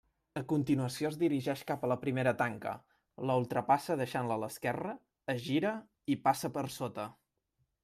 A continuació es dirigeix cap a la primera tanca, la ultrapassa deixant-la a l'esquerra, es gira i passa per sota.